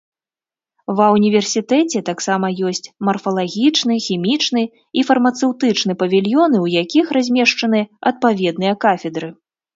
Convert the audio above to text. Ва універсітэце таксама ёсць марфалагічны, хімічны і фармацэўтычны павільёны, у якіх размешчаны адпаведныя кафедры.